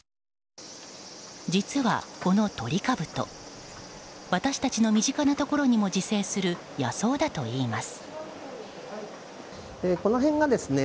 実はこのトリカブト私たちの身近なところにも自生する野草だといいます。